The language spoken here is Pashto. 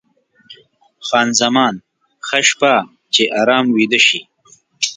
خان زمان: ښه شپه، چې ارام ویده شې.